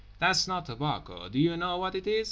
—"That's not tobacco. Do you know what it is?